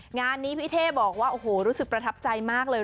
งานนี้พี่เท่บอกว่าโอ้โหรู้สึกประทับใจมากเลย